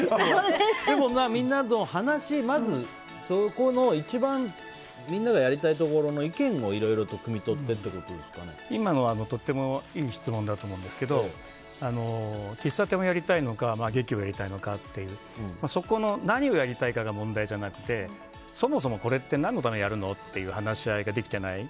でも、まずみんながやりたいことの意見をいろいろと汲み取って今のはとてもいい質問だと思うんですけど喫茶店をやりたいのか劇をやりたいのかというそこの何をやりたいかが問題じゃなくてそもそもこれって何のためにやるのっていう話し合いができてない。